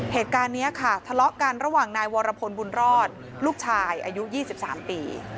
เหตุการณ์นี้ค่ะทะเลาะกันระหว่างนายวรพลบุญรอดลูกชายอายุ๒๓ปี